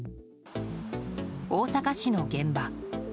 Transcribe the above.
大阪市の現場。